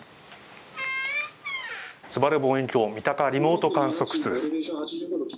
すばる望遠鏡三鷹リモート観測室です。